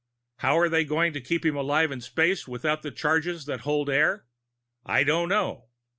How are they going to keep him alive in space, without the charges that hold air? I don't know.